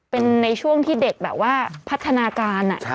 เป็นในช่วงที่เด็กแบบว่าพัฒนาการ